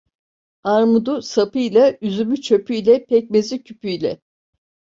Armudu sapıyla, üzümü çöpüyle, pekmezi küpüyle.